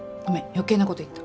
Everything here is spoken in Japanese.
余計な事言った。